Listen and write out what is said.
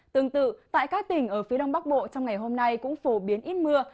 tương tự tại các tỉnh ở phía đông bắc bộ trong ngày hôm nay cũng phổ biến ít mưa